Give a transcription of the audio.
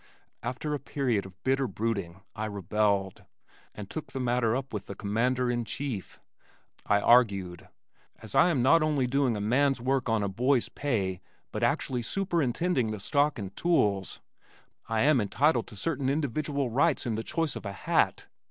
After a period of bitter brooding I rebelled, and took the matter up with the Commander in Chief. I argued, "As I am not only doing a man's work on a boy's pay but actually superintending the stock and tools, I am entitled to certain individual rights in the choice of a hat."